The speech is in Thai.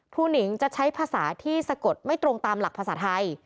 หนิงจะใช้ภาษาที่สะกดไม่ตรงตามหลักภาษาไทย